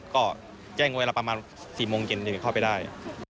ก็แจ้งเวลาประมาณ๔โมงเย็นเข้าไปได้